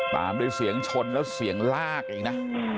ตามด้วยเสียงชนแล้วเสียงลากเองนะ